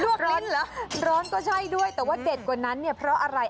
ร้อนเหรอร้อนก็ใช่ด้วยแต่ว่าเด็ดกว่านั้นเนี่ยเพราะอะไร